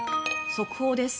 速報です。